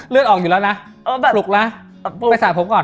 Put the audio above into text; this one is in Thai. เลือดออกอยู่แล้วนะปลุกนะไปสระผมก่อน